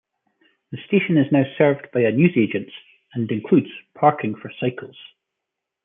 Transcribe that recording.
The station is now served by a newsagents, and includes parking for cycles.